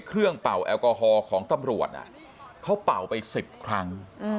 เป่าแอลกอฮอล์ของตำรวจเขาเป่าไป๑๐ครั้ง